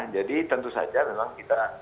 jadi tentu saja memang kita